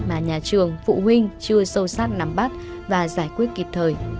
mà nhà trường phụ huynh chưa sâu sát nắm bắt và giải quyết kịp thời